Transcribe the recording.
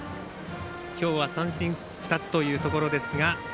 今日は三振２つというところですが。